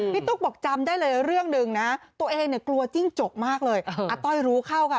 ตุ๊กบอกจำได้เลยเรื่องหนึ่งนะตัวเองเนี่ยกลัวจิ้งจกมากเลยอาต้อยรู้เข้าค่ะ